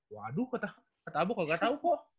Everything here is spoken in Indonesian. waduh ketah buk kok gak tahu kok